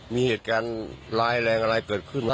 มีเหตุการณ์ร้ายแรงอะไรเกิดขึ้นมา